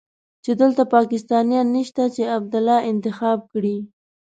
چې دلته پاکستانيان نشته چې عبدالله انتخاب کړي.